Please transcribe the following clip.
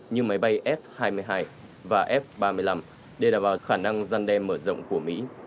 như máy bay f hai mươi hai và f ba mươi năm để đảm bảo khả năng răn đe mở rộng của mỹ